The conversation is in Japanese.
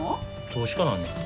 投資家なんねん。